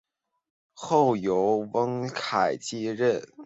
后由翁楷接任。